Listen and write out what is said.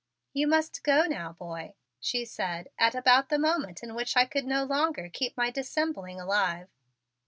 "You must go now, boy," she said at about the moment in which I could no longer keep my dissembling alive.